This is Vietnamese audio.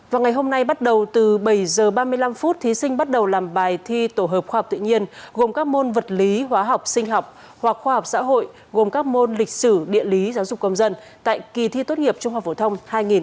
vào ngày hôm nay bắt đầu từ bảy h ba mươi năm phút thí sinh bắt đầu làm bài thi tổ hợp khoa học tự nhiên gồm các môn vật lý hóa học sinh học hoặc khoa học xã hội gồm các môn lịch sử địa lý giáo dục công dân tại kỳ thi tốt nghiệp trung học phổ thông hai nghìn hai mươi